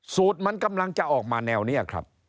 สูตรมันกำลังจะออกมาแนวนี้ครับ